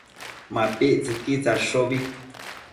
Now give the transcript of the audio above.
MapictsËquid tsadshobi